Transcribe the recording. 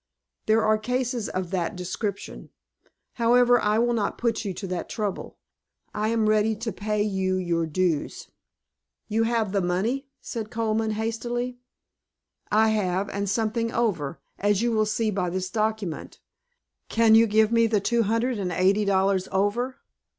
"There are cases of that description. However, I will not put you to that trouble. I am ready to pay you your dues." "You have the money?" said Colman, hastily. "I have, and something over; as you will see by this document. Can you give me the two hundred and eighty dollars over?"